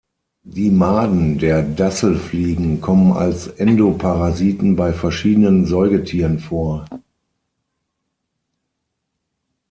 Die Maden der Dasselfliegen kommen als Endoparasiten bei verschiedenen Säugetieren vor.